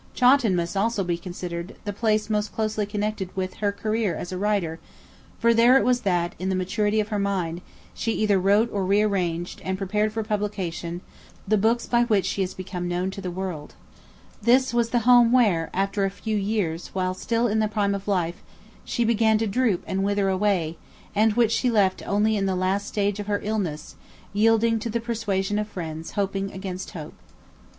Chawton must also be considered the place most closely connected with her career as a writer; for there it was that, in the maturity of her mind, she either wrote or rearranged, and prepared for publication the books by which she has become known to the world. This was the home where, after a few years, while still in the prime of life, she began to droop and wither away, and which she left only in the last stage of her illness, yielding to the persuasion of friends hoping against hope. [Chawton Church: ChawtonChurch.